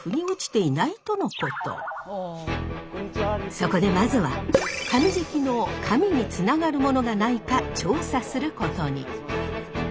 そこでまずは神喰の「神」につながるものがないか調査することに。